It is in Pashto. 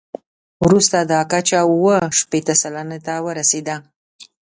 وروسته دا کچه اووه شپېته سلنې ته ورسېده.